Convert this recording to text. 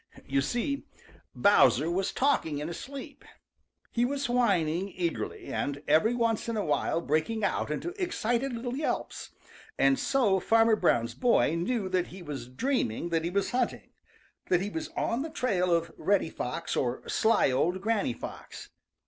You see, Bowser was talking in his sleep. He was whining eagerly, and every once in a while breaking out into excited little yelps, and so Farmer Brown's boy knew that he was dreaming that he was hunting, that he was on the trail of Reddy Fox or sly old Granny Fox.